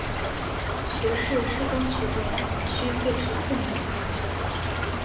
学士视光学位需费时四年来完成。